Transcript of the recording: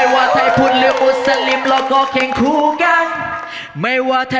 วู้วู้วู้